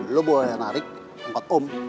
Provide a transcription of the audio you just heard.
lo boleh narik empat om